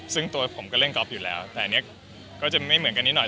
ซึ่งตัวผมก็เล่นกอล์ฟอยู่แล้วแต่อันนี้ก็จะไม่เหมือนกันนิดหน่อย